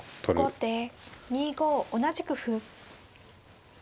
後手２五同じく歩。